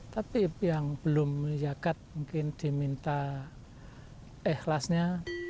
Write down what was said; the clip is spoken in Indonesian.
tapi yang belum zakat mungkin diminta ikhlasnya